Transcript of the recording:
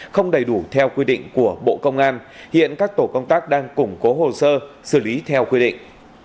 không đầy đủ theo quy định của bộ công an hiện các tổ công tác đang củng cố hồ sơ xử lý theo quy định